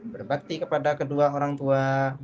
berbakti kepada kedua orang tua